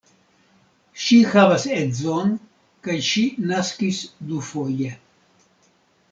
Ŝi havas edzon kaj ŝi naskis dufoje.